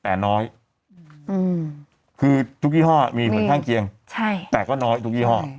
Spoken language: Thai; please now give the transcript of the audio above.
แต่น้อยคือทุกยี่ห้อมีผลข้างเคียงแต่ก็น้อยทุกยี่ห้อ